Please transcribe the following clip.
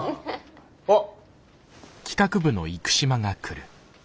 あっ。